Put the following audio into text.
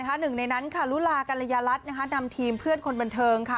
หนึ่งในนั้นค่ะลุลากัลยรัฐนำทีมเพื่อนคนบันเทิงค่ะ